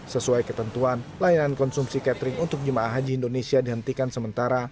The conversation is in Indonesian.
sesuai ketentuan layanan konsumsi catering untuk jemaah haji indonesia dihentikan sementara